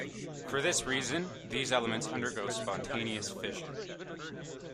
For this reason, these elements undergo spontaneous fission.